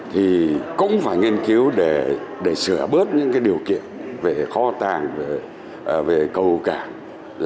thì cũng phải nghiên cứu để sửa bớt những điều kiện về kho tàng về cầu cảng